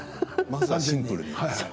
まずはシンプルに。